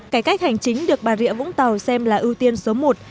cải cách hành chính được bà rịa vũng tàu xem là ưu tiên số một